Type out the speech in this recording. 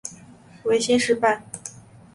维新事败。